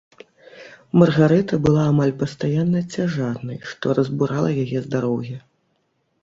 Маргарыта была амаль пастаянна цяжарнай, што разбурала яе здароўе.